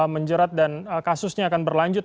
menjerat dan kasusnya akan berlanjut